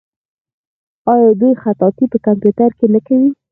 آیا دوی خطاطي په کمپیوټر کې نه کوي؟